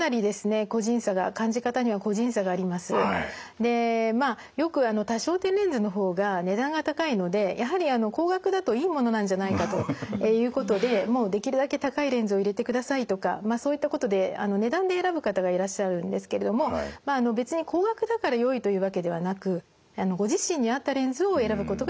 でまあよく多焦点レンズの方が値段が高いのでやはり高額だといいものなんじゃないかということでもうできるだけ高いレンズを入れてくださいとかまあそういったことで値段で選ぶ方がいらっしゃるんですけれどもまあ別に高額だからよいというわけではなくご自身に合ったレンズを選ぶことが一番大切です。